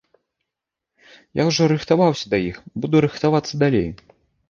Я ўжо рыхтаваўся да іх, буду рыхтавацца далей.